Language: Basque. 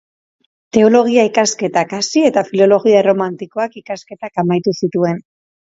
Teologia ikasketak hasi eta Filologia Erromanikoak ikasketak amaitu zituen.